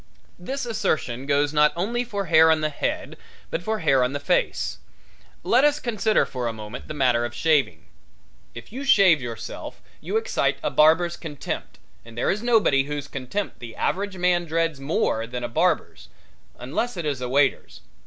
This assertion goes not only for hair on the head but for hair on the face. Let us consider for a moment the matter of shaving. If you shave yourself you excite a barber's contempt, and there is nobody whose contempt the average man dreads more than a barber's, unless it is a waiter's.